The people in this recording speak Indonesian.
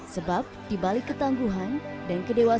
sebab di balik ketangguhan dan kedewasan